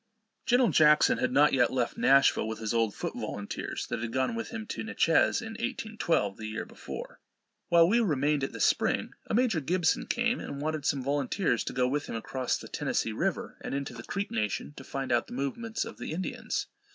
Gen'l. Jackson had not yet left Nashville with his old foot volunteers, that had gone with him to Natchez in 1812, the year before. While we remained at the spring, a Major Gibson came, and wanted some volunteers to go with him across the Tennessee river and into the Creek nation, to find out the movements of the Indians.